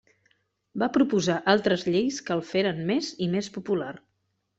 Va proposar altres lleis que el feren més i més popular.